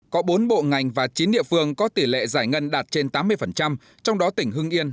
có bốn bộ ngành và chín địa phương có tỷ lệ giải ngân đạt trên tám mươi trong đó tỉnh hưng yên